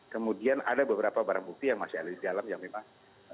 kemudian ada beberapa barang bukti yang masih ada di dalam yang memang